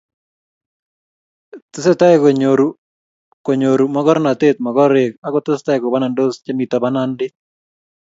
tesetai konyoru konyoru mokornotet mokorek aku tesetai kubanandos che mito banandit